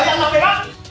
đó là người bắt